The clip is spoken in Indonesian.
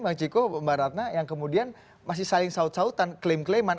bang ciko mbak ratna yang kemudian masih saling saut sautan klaim klaiman